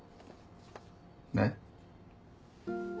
えっ？